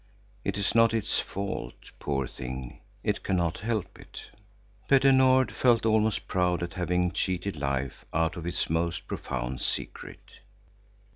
It is not its fault, poor thing, it cannot help it! Petter Nord felt almost proud at having cheated life out of its most profound secret.